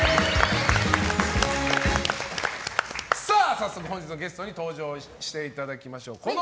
早速本日のゲストに登場していただきます。